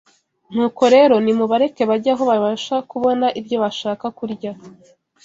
Nuko rero nimubareke bajye aho babasha kubona ibyo bashaka kurya